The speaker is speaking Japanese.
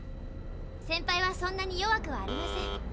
センパイはそんなに弱くありません。